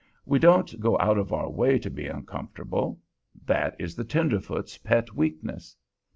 We don't go out of our way to be uncomfortable; that is the tenderfoot's pet weakness.